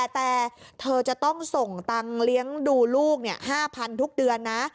แต่เธอจะต้องส่งตังค์เลี้ยงดูลูก๕๐๐ทุกเดือนนะ